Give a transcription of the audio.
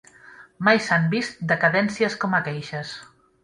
Mai s'han vist decadències com aqueixes.